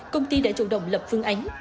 công ty đã chủ động lập phương ánh